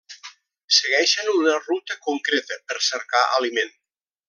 Segueixen una ruta concreta per cercar aliment.